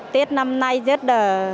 tết năm nay rất là